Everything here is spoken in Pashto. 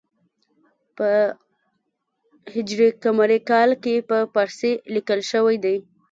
په ه ق کال کې په پارسي لیکل شوی دی.